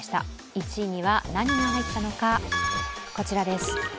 １位には何が入ったのかこちらです。